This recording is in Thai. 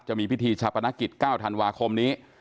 จะมีพิธีชาปนกิจ๙ธันวาคมนี้